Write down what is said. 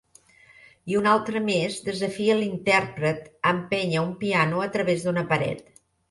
I una altra més desafia l'intèrpret a empènyer un piano a través d'una paret.